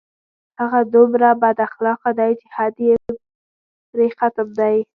هغه دومره بد اخلاقه دی چې حد پرې ختم دی